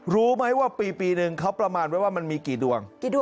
รู้ไหมว่าปีหนึ่งเขาประมาณไว้ว่ามันมีกี่ดวง